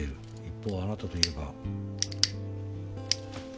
一方あなたと言えば。